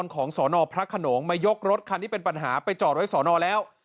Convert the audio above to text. ของสนพระขนงมายกรถคันที่เป็นปัญหาไปจอดไว้สอนอแล้ว